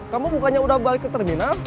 kamu bukannya udah balik ke terminal